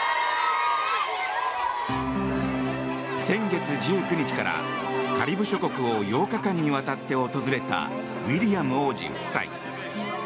先月１９日からカリブ諸国を８日間にわたって訪れたウィリアム王子夫妻。